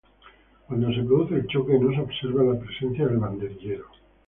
Cuando se produce el choque, no se observa la presencia del banderillero.